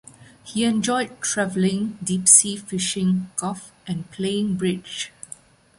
He enjoyed traveling, deep sea fishing, golf and playing bridge.